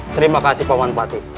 terima kasih paman pati